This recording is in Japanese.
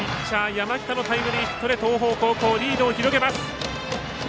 山北のタイムリーヒットで東邦高校、リードを広げます。